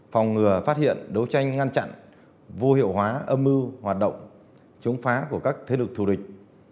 phòng ngừa phát hiện đấu tranh ngăn chặn vô hiệu hóa âm mưu hoạt động chống phá của các thế lực thù địch